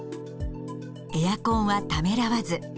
エアコンはためらわず。